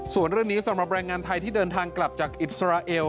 ส่วนเรื่องนี้สำหรับแรงงานไทยที่เดินทางกลับจากอิสราเอล